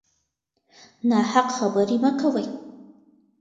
ناحق خبرې مه کوئ.